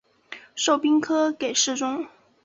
授兵科给事中。